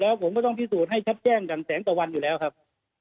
แล้วผมก็ต้องพิสูจน์ให้ชัดแจ้งอย่างแสงตะวันอยู่แล้วครับ